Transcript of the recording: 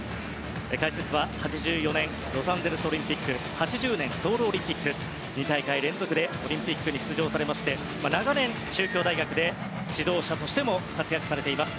解説は、８４年ロサンゼルスオリンピック８０年ソウルオリンピック２大会連続でオリンピックに出場されまして長年、中京大学で指導者としても活躍されています